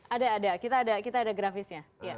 ada kita ada grafisnya